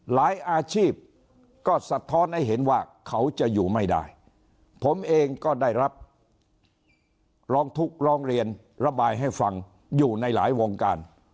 อาชีพก็สะท้อนให้เห็นว่าเขาจะอยู่ไม่ได้ผมเองก็ได้รับร้องทุกข์ร้องเรียนระบายให้ฟังอยู่ในหลายวงการ